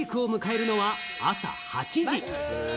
ピークを迎えるのは朝８時。